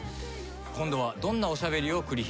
今度はどんなおしゃべりを繰り広げるのか？